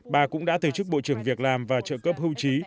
bà cũng đã từ chức bộ trưởng việc làm và trợ cấp hưu trí